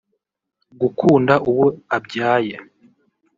gukunda uwo abyaye